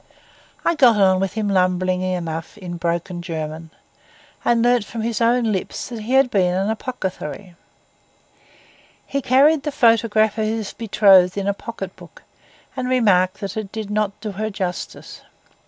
I got on with him lumberingly enough in broken German, and learned from his own lips that he had been an apothecary. He carried the photograph of his betrothed in a pocket book, and remarked that it did not do her justice.